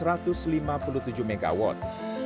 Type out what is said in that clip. pertama pemerintah jram sungai asahan